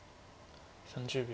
３０秒。